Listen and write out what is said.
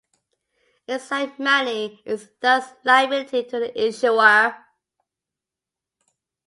Inside money is thus a liability to the issuer.